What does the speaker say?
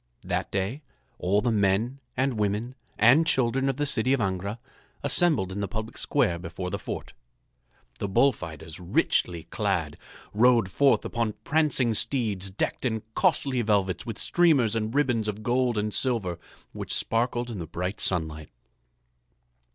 That day all the men and women and children of the city of Angra assembled in the public square before the fort. The bullfighters, richly clad, rode forth upon prancing steeds decked in costly velvets with streamers and ribbons of gold and silver which sparkled in the bright sunlight.